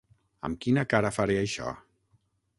Amb quina cara faré això?